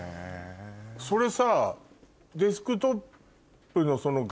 それさ。